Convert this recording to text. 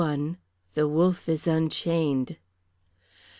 THE WOLF IS UNCHAINED.